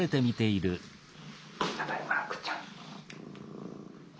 ただいまふくちゃん。